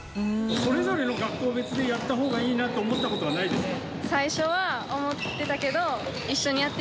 それぞれの学校別でやった方がいいなと思った事はないですか？